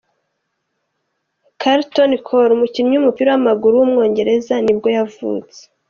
Carlton Cole, umukinnyi w’umupira w’amaguru w’umwongereza nibwo yavutse.